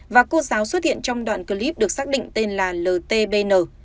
và cô giáo xuất hiện trong đoạn clip được xác định tên là ltbn